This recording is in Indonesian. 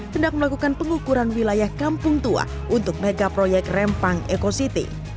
hendak melakukan pengukuran wilayah kampung tua untuk megaproyek rempang eco city